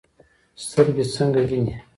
سترګې څنګه ویني؟